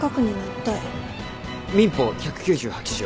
民法１９８条。